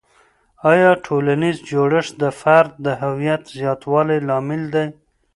آیا ټولنیز جوړښت د فرد د هویت زیاتوالي لامل دی؟